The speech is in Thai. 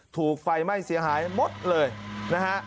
ถูกไฟไหม้เสียหายหมดเลยนะฮะ